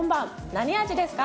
何味ですか？